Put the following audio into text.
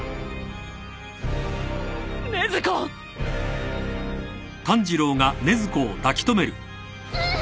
禰豆子！うー！